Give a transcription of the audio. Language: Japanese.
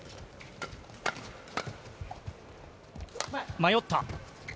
迷った。